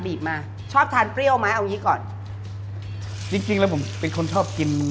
มาชอบทานเปรี้ยวไหมเอางี้ก่อนจริงจริงแล้วผมเป็นคนชอบกิน